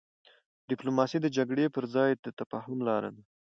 ډيپلوماسي د جګړې پر ځای د تفاهم لاره ده.